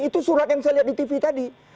itu surat yang saya lihat di tv tadi